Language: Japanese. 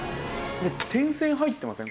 点線入ってません？